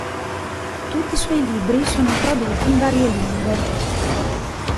Tutti i suoi libri sono tradotti in varie lingue.